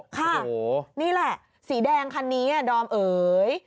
ค่ะนี่แหละสีแดงคันนี้ดอมเอ๋ย